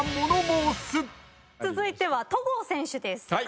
続いては戸郷選手です。